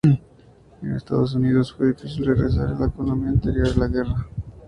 En Estados Unidos, fue difícil regresar a la economía anterior a la guerra.